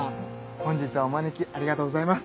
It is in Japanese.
本日はお招きありがとうございます。